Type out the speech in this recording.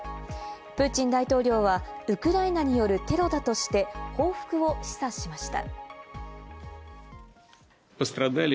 プーチン大統領はウクライナによるテロだとして報復を示唆しました。